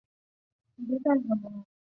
动差又被称为矩。